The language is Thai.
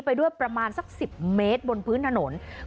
ไปด้วยประมาณสัก๑๐เมตรบนพื้นถนน